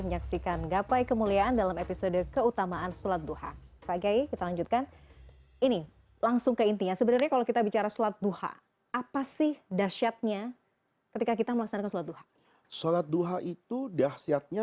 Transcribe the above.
jangan lupa untuk berlangganan